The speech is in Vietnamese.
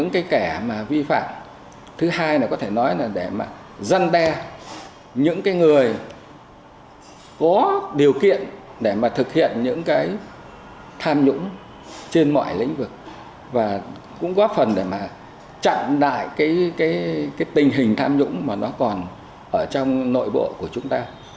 kỷ luật có điều kiện để thực hiện những tham nhũng trên mọi lĩnh vực và cũng có phần để chặn đại tình hình tham nhũng mà nó còn trong nội bộ của chúng ta